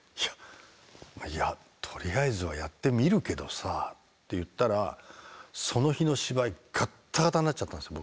「いやとりあえずはやってみるけどさ」って言ったらその日の芝居ガッタガタになっちゃったんですよ